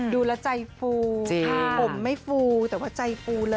ดูแล้วใจฟูผมไม่ฟูแต่ว่าใจฟูเลย